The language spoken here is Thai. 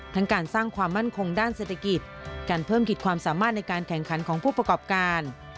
ทั้งการสร้างความมั่นคงด้านเศรษฐกิจการเพิ่มกิจความสามารถในการแข่งขันของผู้ประกอบการ